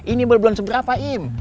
ini beli belum seberapa im